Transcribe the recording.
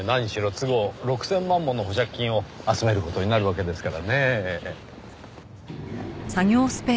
都合６０００万もの保釈金を集める事になるわけですからねぇ。